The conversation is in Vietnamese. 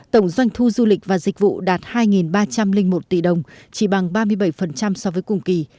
tổng doanh thu du lịch và dịch vụ đạt hai ba trăm linh một tỷ đồng chỉ bằng ba mươi bảy so với cùng kỳ